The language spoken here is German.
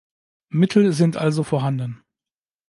Mittel sind also vorhanden.